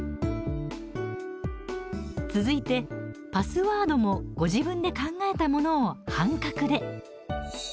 続いてパスワードもご自分で考えたものを半角で。